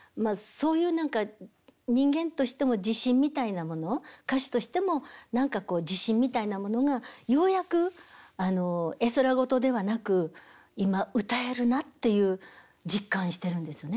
そういう何か人間としても自信みたいなもの歌手としても何かこう自信みたいなものがようやく絵空事ではなく今歌えるなっていう実感してるんですよね。